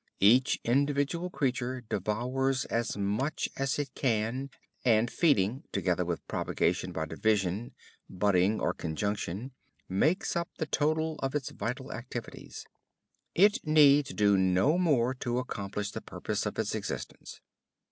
Each individual creature devours as much as it can and feeding, together with propagation by division, "budding" or conjunction, makes up the total of its vital activities. It need do no more to accomplish the purpose of its existence.